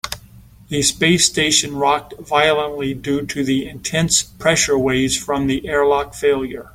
The space station rocked violently due to the intense pressure wave from the airlock failure.